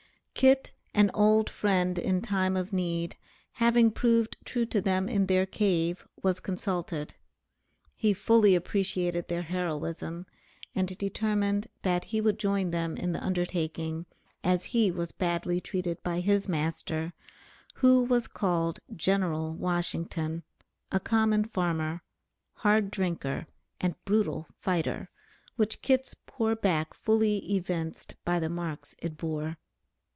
Kit, an old friend in time of need, having proved true to them in their cave, was consulted. He fully appreciated their heroism, and determined that he would join them in the undertaking, as he was badly treated by his master, who was called General Washington, a common farmer, hard drinker, and brutal fighter, which Kit's poor back fully evinced by the marks it bore.